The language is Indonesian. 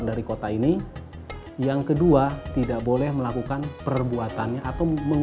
yang pertama firman sahfitra tidak boleh melarikan diri atau penuntutan